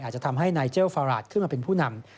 อาจจะทำให้ไนเจลฟาราชขึ้นมาเป็นผู้นำ